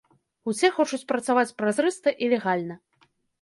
Усе хочуць працаваць празрыста і легальна.